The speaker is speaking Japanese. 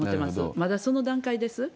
まだその段階です。